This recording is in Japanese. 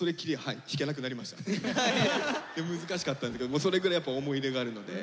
難しかったんですけどそれぐらいやっぱ思い入れがあるので。